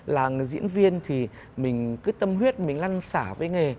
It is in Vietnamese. làng diễn viên thì mình cứ tâm huyết mình lăn xả với nghề